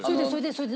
それで？